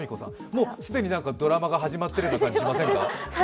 もう既にドラマが始まっているような気がしませんか？